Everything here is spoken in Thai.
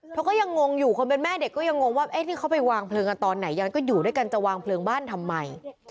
ก็ยังงงอยู่คนเป็นแม่เด็กก็ยังงงว่าที่เขาไปวางเพลิงกันตอนไหนยังก็อยู่ด้วยกันจะวางเพลิงบ้านทำไม